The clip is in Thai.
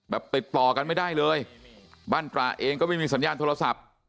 ติดต่อกันไม่ได้เลยบ้านตระเองก็ไม่มีสัญญาณโทรศัพท์